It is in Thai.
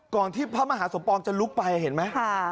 ก่อนที่พระมหาสมปองจะลุกไปเห็นไหมค่ะค่ะ